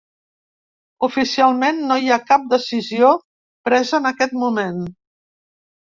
Oficialment no hi ha cap decisió presa en aquests moment.